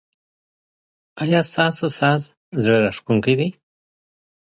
ایا ستاسو ساز زړه راښکونکی دی؟